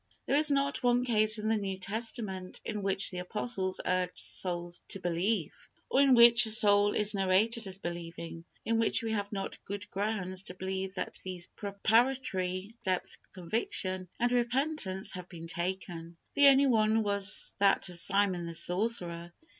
There is not one case in the New Testament in which the apostles urged souls to believe, or in which a soul is narrated as believing, in which we have not good grounds to believe that these preparatory steps of conviction and repentance, had been taken. The only one was that of Simon the sorcerer.